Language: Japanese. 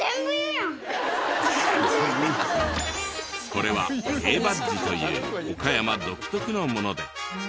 これはＡバッジという岡山独特のもので。